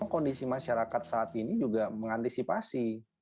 kondisi masyarakat saat ini juga mengantisipasi